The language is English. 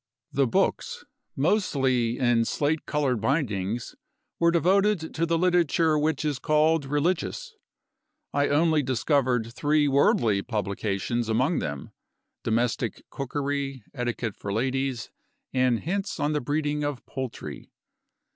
The books, mostly in slate colored bindings, were devoted to the literature which is called religious; I only discovered three worldly publications among them Domestic Cookery, Etiquette for Ladies, and Hints on the Breeding of Poultry.